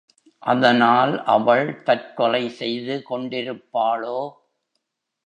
அதனால் அவள் தற்கொலை செய்து கொண்டிருப்பாளோ?